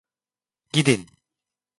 Gidin.